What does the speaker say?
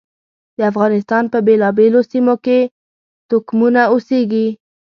د افغانستان په بېلابېلو سیمو کې توکمونه اوسېږي.